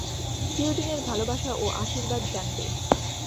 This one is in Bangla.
চিরদিনের ভালবাসা ও আশীর্বাদ জানবে।